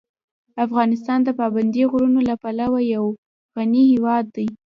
افغانستان د پابندي غرونو له پلوه یو غني هېواد دی.